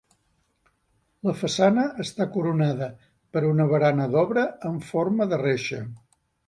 La façana està coronada per una barana d'obra amb forma de reixa.